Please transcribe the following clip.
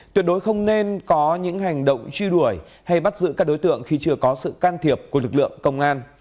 tuyệt đối không nên có những hành động truy đuổi hay bắt giữ các đối tượng khi chưa có sự can thiệp của lực lượng công an